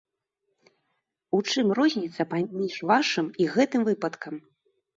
У чым розніца паміж вашым і гэтым выпадкам?